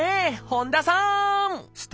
本多さん